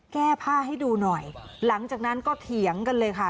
แก้ผ้าให้ดูหน่อยหลังจากนั้นก็เถียงกันเลยค่ะ